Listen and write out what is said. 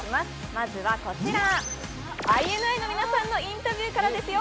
まずはこちら、ＩＮＩの皆さんのインタビューからですよ。